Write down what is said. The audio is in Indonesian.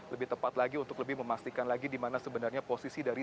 lebih tepat lagi untuk lebih memastikan lagi di mana sebenarnya posisi dari